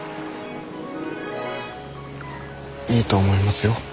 いいと思いますよ